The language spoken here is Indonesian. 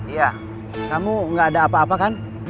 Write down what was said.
iya kamu nggak ada apa apa kan